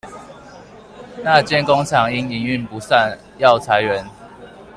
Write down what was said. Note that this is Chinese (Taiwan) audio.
那間工廠因營運不善要裁員